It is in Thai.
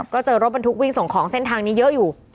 ก็เจอรถบรรทุกวิ่งส่งของเส้นทางนี้เยอะอยู่